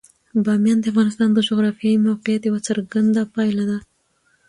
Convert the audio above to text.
بامیان د افغانستان د جغرافیایي موقیعت یوه څرګنده پایله ده.